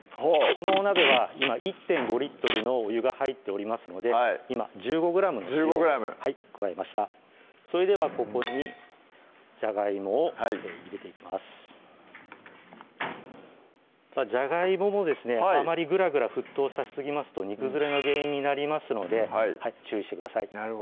このお鍋は今１．５リットルのお湯が入っておりますので今１５ｇの塩加えましたそれではここにじゃがいもを入れていきますじゃがいももですねあまりグラグラ沸騰させすぎますと煮崩れの原因になりますので注意してください